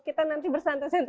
kita nanti bersantai santai